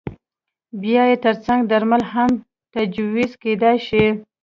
بیا یې ترڅنګ درمل هم تجویز کېدای شي.